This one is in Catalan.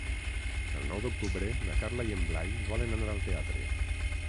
El nou d'octubre na Carla i en Blai volen anar al teatre.